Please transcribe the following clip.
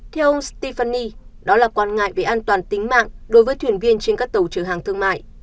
theo ông stepheny đó là quan ngại về an toàn tính mạng đối với thuyền viên trên các tàu chở hàng thương mại